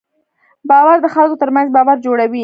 باور د خلکو تر منځ باور جوړوي.